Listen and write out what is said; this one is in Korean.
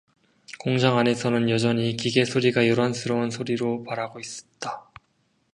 공장 안에서는 여전히 기계 소리가 요란스러운 소리를 발하고 있다.